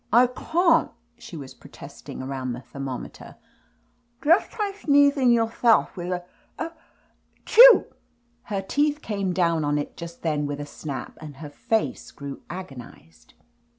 'T can't," she was protesting around the thermometer. "J^sth try sneething yourthelf with a — 2L — choo." Her teeth came down on it just then with a snap and her face grew agonized.